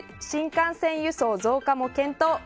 新幹線輸送増加も検討。